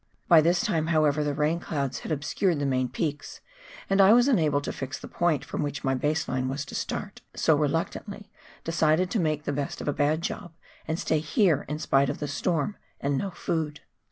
By this time, however, the rain clouds had obscured the main peaks, and I was unable to fix the point from which my base line was to start, so reluc tantly decided to make the best of a bad job and stay here in spite of the storm and no food.